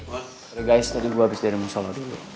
udah guys tadi gue abis dari musyola dulu